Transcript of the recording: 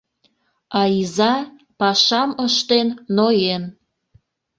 А иза пашам ыштен ноен